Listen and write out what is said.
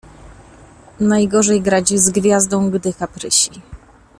Najgorzej grać z gwiazdą, gdy kaprysi.